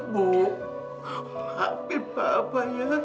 bu maafin bapak ya